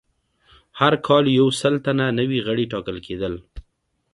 هر کال یو سل تنه نوي غړي ټاکل کېدل